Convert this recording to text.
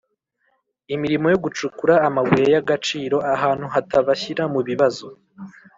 imirimo yo gucukura amabuye y’ agaciro ahantu hatabashyira mu bibazo